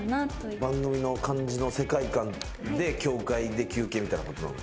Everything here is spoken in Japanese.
番組の感じの世界観で教会で休憩みたいなことなの？